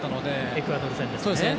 エクアドル戦ですね。